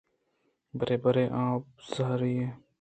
برے برے آبیزاری بوت